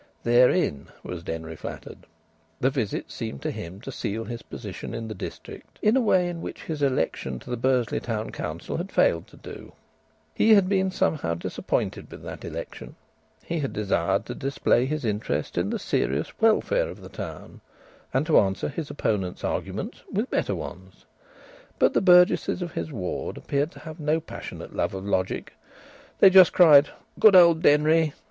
Therein was Denry flattered. The visit seemed to him to seal his position in the district in a way in which his election to the Bursley Town Council had failed to do. He had been somehow disappointed with that election. He had desired to display his interest in the serious welfare of the town, and to answer his opponent's arguments with better ones. But the burgesses of his ward appeared to have no passionate love of logic. They just cried "Good old Denry!"